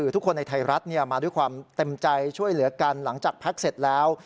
ทุกคนในไทยรัฐมาด้วยความเต็มใจช่วยเหลือกันหลังจากพักเสร็จแล้ว